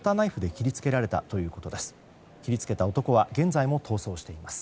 切り付けた男は現在も逃走しています。